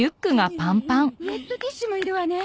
ウェットティッシュもいるわね。